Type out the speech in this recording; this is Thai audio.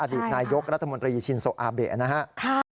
ดีตนายกรัฐมนตรีชินโซอาเบะนะครับ